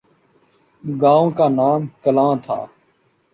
گاؤں کا نام کلاں تھا ۔